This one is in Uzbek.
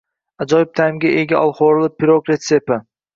Ajoyib ta’mga ega olxo‘rili pirog retsepti